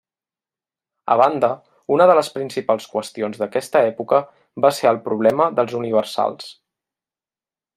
A banda, una de les principals qüestions d'aquesta època va ser el problema dels universals.